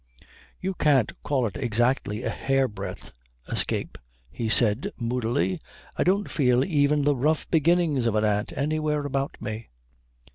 "You can't call it exactly a hairbreadth escape," he said moodily. "I don't feel even the rough beginnings of an aunt anywhere about me."